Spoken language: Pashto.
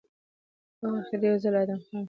او اخر يو ځل ادم خان